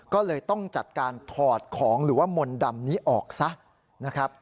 ก็เลยต้องจัดการถอดของหรือว่ามนต์ดำนี้ออกซะนะครับ